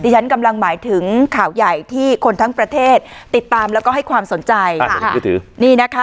ฉันกำลังหมายถึงข่าวใหญ่ที่คนทั้งประเทศติดตามแล้วก็ให้ความสนใจนี่นะคะ